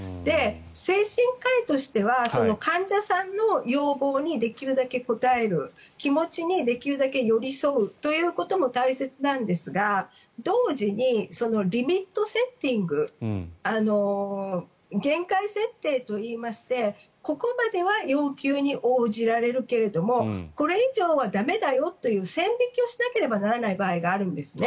精神科医としては患者さんの要望にできるだけ応える気持ちにできるだけ寄り添うということも大切なんですが同時にリミットセッティング限界設定といいましてここまでは要求に応じられるけれどもこれ以上は駄目だよという線引きをしなければならない場合があるんですね。